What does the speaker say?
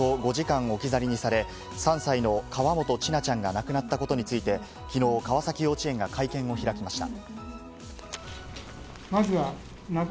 園の送迎バスにおよそ５時間置き去りにされ、３歳の河本千奈ちゃんが亡くなったことについて昨日、川崎幼稚園が会見を開きました。